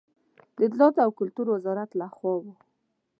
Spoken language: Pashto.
د اطلاعاتو او کلتور وزارت له خوا و.